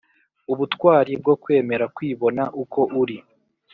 Ubutwari bwo kwemera kwibona uko uri